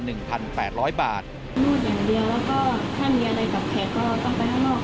มูดอย่างเดียวแล้วก็ถ้ามีอะไรกับแขกก็ต้องไปข้างนอก